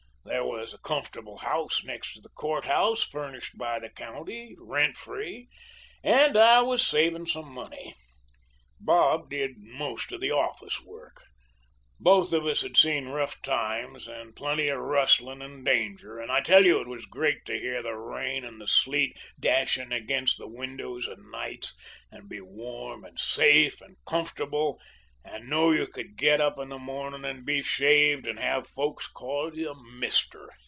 There was a comfortable house next to the courthouse, furnished by the county, rent free, and I was saving some money. Bob did most of the office work. Both of us had seen rough times and plenty of rustling and danger, and I tell you it was great to hear the rain and the sleet dashing against the windows of nights, and be warm and safe and comfortable, and know you could get up in the morning and be shaved and have folks call you 'mister.'